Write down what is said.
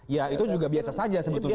ya itu juga biasa saja sebetulnya